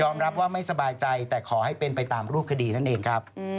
มีอาการหวาดพวา